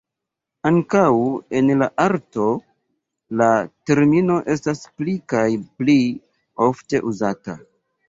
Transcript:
Ankaŭ en la artoj, la termino estas pli kaj pli ofte uzata.